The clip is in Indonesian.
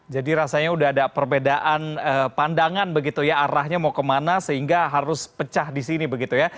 rasanya sudah ada perbedaan pandangan begitu ya arahnya mau kemana sehingga harus pecah di sini begitu ya